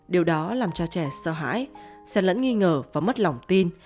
điều đó làm cho trẻ sợ hãi sẽ lẫn nghi ngờ và mất lòng tin